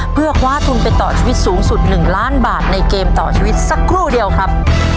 เพื่อคว้าทุนไปต่อชีวิตสูงสุด๑ล้านบาทในเกมต่อชีวิตสักครู่เดียวครับ